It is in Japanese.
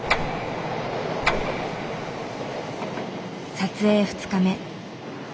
撮影２日目。